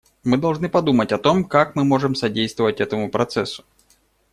Мы должны подумать о том, как мы можем содействовать этому процессу.